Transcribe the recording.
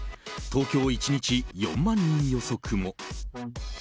東京１日４万人予測も。